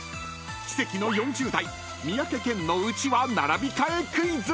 ［奇跡の４０代三宅健のうちわ並び替えクイズ］